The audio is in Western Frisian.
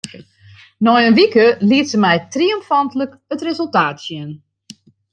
Nei in wike liet se my triomfantlik it resultaat sjen.